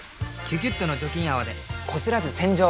「キュキュット」の除菌泡でこすらず洗浄！